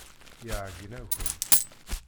Iɛeyyen-akent.